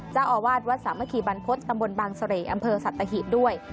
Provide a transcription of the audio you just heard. เจ้าอวาดวัดสามะขีบรรพศตำบลบางเสลยอำเภอสัตว์ตะหิดด้วย